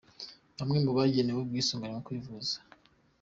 Bamwe mu bagenewe ubwisungane mu kwivuza.